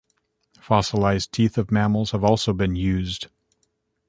Fossilized teeth of mammals have also been used.